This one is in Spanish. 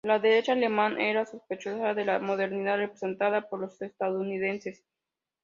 La derecha alemana era sospechosa de la modernidad representada por los Estados Unidos.